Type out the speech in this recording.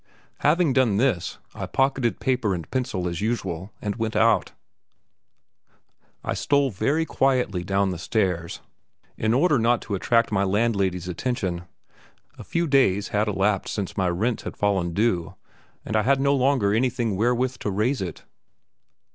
Having done this, I pocketed paper and pencil as usual and went out. I stole very quietly down the stairs in order not to attract my landlady's attention (a few days had elapsed since my rent had fallen due, and I had no longer anything wherewith to raise it).